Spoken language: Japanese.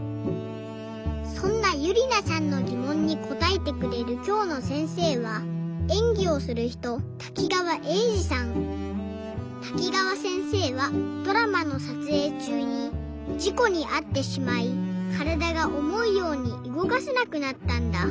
そんなゆりなさんのぎもんにこたえてくれるきょうのせんせいはえんぎをするひとたきがわせんせいはドラマのさつえいちゅうにじこにあってしまいからだがおもうようにうごかせなくなったんだ。